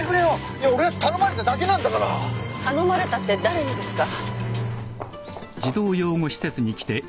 いや俺は頼まれただけなんだから。頼まれたって誰にですか？